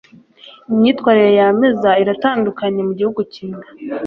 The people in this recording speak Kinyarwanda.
Imyitwarire yameza iratandukanye mugihugu kimwe